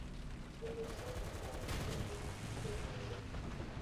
Then there's simply foolish behavior we're used to getting away with.